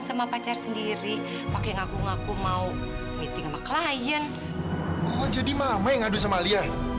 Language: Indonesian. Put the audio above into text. sama pacar sendiri demi kakak ipar iya